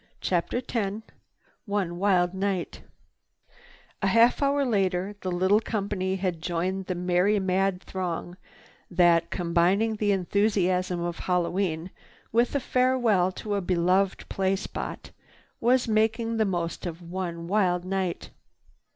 CHAPTER X ONE WILD NIGHT A half hour later the little company had joined the merry mad throng that, combining the enthusiasm of Hallowe'en with a farewell to a beloved play spot, was making the most of one wild night.